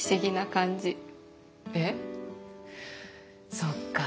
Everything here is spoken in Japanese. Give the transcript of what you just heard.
そっか。